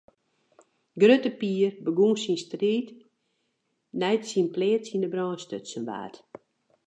Grutte Pier begûn syn striid nei't syn pleats yn 'e brân stutsen waard.